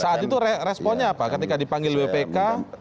saat itu responnya apa ketika dipanggil wpk